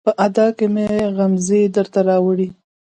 په ادا کې مې غمزې درته راوړي